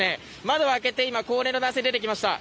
窓を開けて今高齢の男性が出てきました。